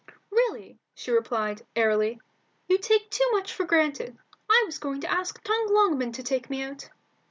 "Really," she replied, airily, "you take too much for granted. I was going to ask Tom Longman to take me out."